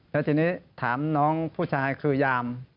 แล้วทีนี้ถามน้องผู้ชายคือยาม